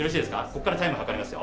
こっからタイム計りますよ。